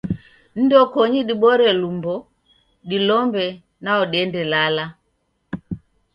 Ndokonyi dibore lumbo, dilombe nao diende lala.